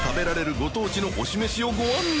ご当地の推しメシをご案内